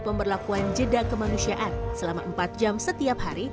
pemberlakuan jeda kemanusiaan selama empat jam setiap hari